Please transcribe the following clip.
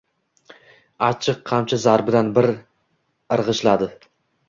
Achchiq qamchi zarbidan bir irg‘ishladi